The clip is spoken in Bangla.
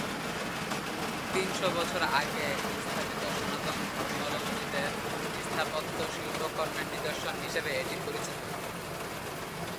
তিন শ বছর আগে স্থাপিত সনাতন ধর্মাবলম্বীদের স্থাপত্য শিল্পকর্মের নিদর্শন হিসেবে এটি পরিচিত।